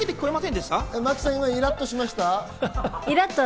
真木さん、今イラっとしましたか？